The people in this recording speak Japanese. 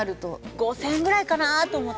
５０００円ぐらいかなと思って。